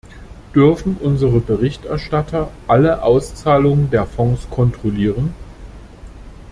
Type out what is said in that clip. Dürfen unsere Berichterstatter alle Auszahlungen der Fonds kontrollieren?